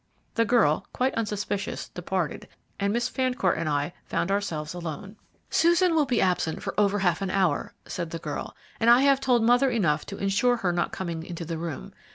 The girl, quite unsuspicious, departed, and Miss Fancourt and I found ourselves alone. "Susan will be absent for over half an hour," said the girl, "and I have told mother enough to insure her not coming into the room.